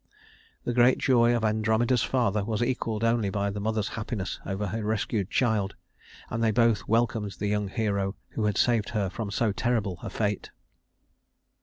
The great joy of Andromeda's father was equaled only by the mother's happiness over her rescued child; and they both welcomed the young hero who had saved her from so terrible a fate.